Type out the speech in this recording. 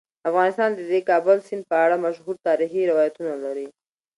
افغانستان د د کابل سیند په اړه مشهور تاریخی روایتونه لري.